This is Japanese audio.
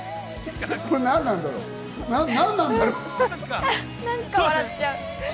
なんなんだろう。